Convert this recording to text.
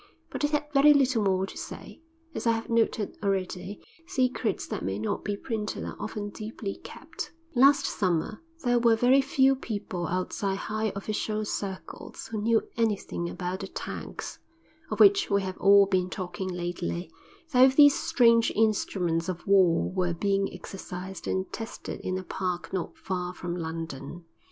But he had very little more to say. As I have noted already, secrets that may not be printed are often deeply kept; last summer there were very few people outside high official circles who knew anything about the "Tanks," of which we have all been talking lately, though these strange instruments of war were being exercised and tested in a park not far from London.